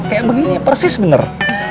kayak begini ya persis bener